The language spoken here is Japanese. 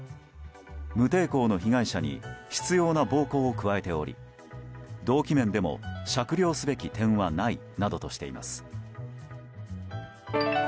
無抵抗の被害者に執拗な暴行を加えており動機面でも酌量すべき点はないなどとしています。